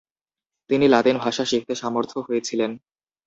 তিনি লাতিন ভাষা শিখতে সামর্থ হয়েছিলেন।